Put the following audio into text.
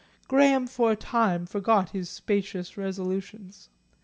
Graham for a time forgot his spacious resolutions.